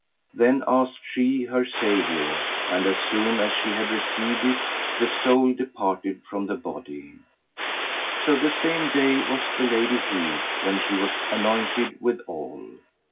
Then asked she her Saviour; and as soon as she had received it the soul departed from the body. So the same day was the lady healed, when she was anointed withal.